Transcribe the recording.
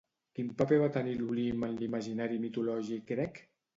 Quin paper va tenir l'Olimp en l'imaginari mitològic grec?